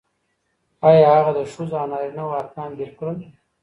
آيا هغه د ښځو او نارينه وو ارقام بېل کړل؟